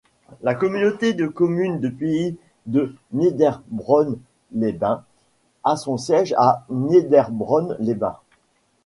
La communauté de communes du Pays de Niederbronn-les-Bains a son siège à Niederbronn-les-Bains.